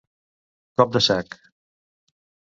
Cop de sac.